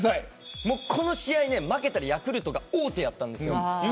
この試合、負けたらヤクルトが王手やったんです。